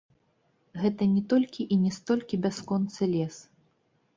Гэта не толькі і не столькі бясконцы лес.